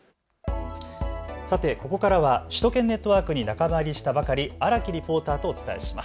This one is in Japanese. さて、ここからは首都圏ネットワークに仲間入りしたばかり荒木リポーターとお伝えします。